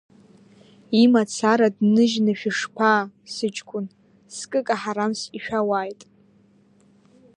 Иымацара дныжьны шәышԥаа сыҷкәын, скыка ҳарамс ишәауааит!